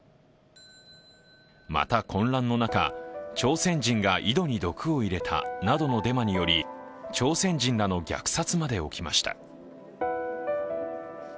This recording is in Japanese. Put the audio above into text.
また混乱の中、朝鮮人が井戸に毒を入れたなどのデマにより、朝鮮人らの虐殺まで起きました。